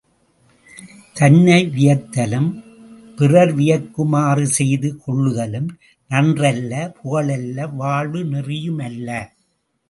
தன்னை வியத்தலும், பிறர் வியக்குமாறு செய்து கொள்ளுதலும் நன்றல்ல புகழல்ல வாழ்வு நெறியுமல்ல.